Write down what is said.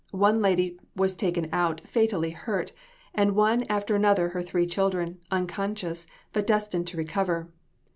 One lady was taken out fatally hurt, and one after another her three children, unconscious, but destined to recover.